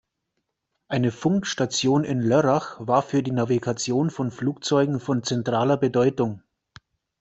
Eine Funkstation in Lörrach war für die Navigation von Flugzeugen von zentraler Bedeutung.